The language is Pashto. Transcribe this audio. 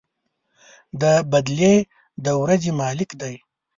د بَدلې د ورځې مالك دی.